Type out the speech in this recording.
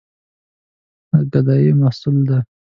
د ګدايي محصول ده.